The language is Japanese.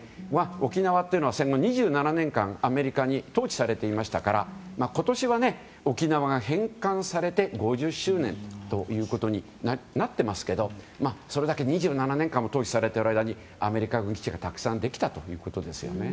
沖縄というのは戦後２７年間アメリカに統治されていましたから今年は沖縄が返還されて５０周年ということになっていますけどそれだけ２７年間も統治されている間にアメリカの基地がたくさんできたということです。